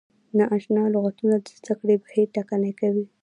نا اشنا لغتونه د زده کړې بهیر ټکنی کوي.